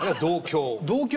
同郷。